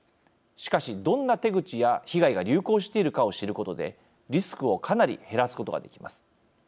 しかし、どんな手口や被害が流行しているかを知ることでリスクをかなり減らすことができます。